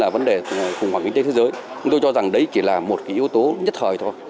vấn đề khủng hoảng kinh tế thế giới chúng tôi cho rằng đấy chỉ là một yếu tố nhất thời thôi